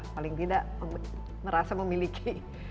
paling tidak merasa memiliki